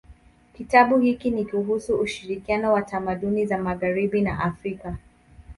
Kitabu hiki ni kuhusu ushirikiano wa tamaduni za magharibi na Afrika.